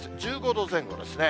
１５度前後ですね。